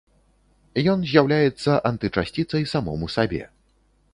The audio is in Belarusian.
Ён з'яўляецца антычасціцай самому сабе.